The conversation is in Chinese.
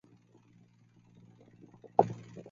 濉城镇是中国福建省三明市建宁县下辖的一个镇。